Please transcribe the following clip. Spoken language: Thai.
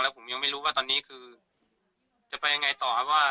ผมยังไม่รู้ว่าตอนนี้คือจะไปยังไงต่อครับว่า